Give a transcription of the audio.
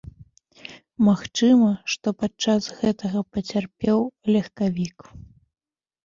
Магчыма, што падчас гэтага пацярпеў легкавік.